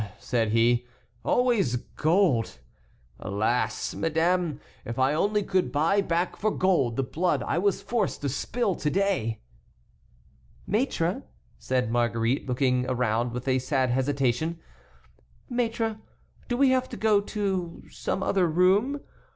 said he; "always gold! Alas! madame, if I only could buy back for gold the blood I was forced to spill to day!" "Maître," said Marguerite, looking around with a sad hesitation, "Maître, do we have to go to some other room?